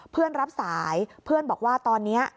รับสายเพื่อนบอกว่าตอนนี้